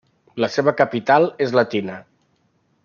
La seva capital és Latina.